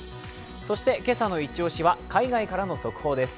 そして今朝のイチ押しは、海外からの速報です。